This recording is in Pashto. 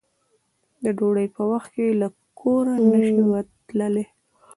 د ډوډۍ په وخت کې له کوره نشې تللی